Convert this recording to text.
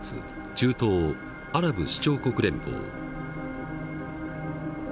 中東アラブ首長国連邦。